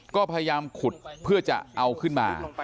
ก็พยายามขุดเพื่อจะเอาขึ้นมา